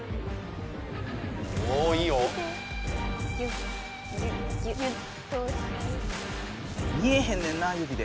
おおいいよ。見えへんねんな指で。